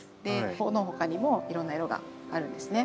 この他にもいろんな色があるんですね。